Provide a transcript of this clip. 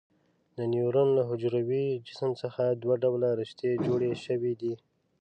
د نیورون له حجروي جسم څخه دوه ډوله رشتې جوړې شوي دي.